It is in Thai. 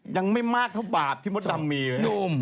ยังไม่มากเท่าบาทที่มดดำมีเลย